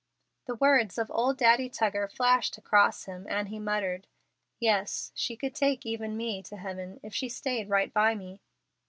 The words of old Daddy Tuggar flashed across him, and he muttered: "Yes, she could take even me to heaven, 'if she stayed right by me.'"